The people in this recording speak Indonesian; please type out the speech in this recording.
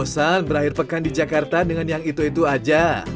bosan berakhir pekan di jakarta dengan yang itu itu aja